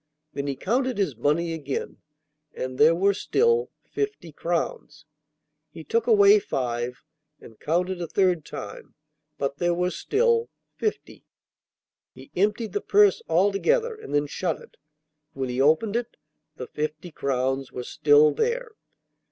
Then he counted his money again, and there were still fifty crowns. He took away five and counted a third time, but there were still fifty. He emptied the purse altogether and then shut it; when he opened it the fifty crowns were still there!